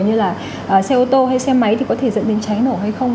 như là xe ô tô hay xe máy thì có thể dẫn đến cháy nổ hay không